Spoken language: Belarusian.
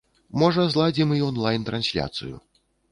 Можа, зладзім і он-лайн трансляцыю.